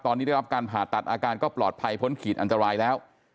ตอนนี้ได้รับการผ่าตัดอาการก็ปลอดภัยพ้นขีดอันตรายแล้ว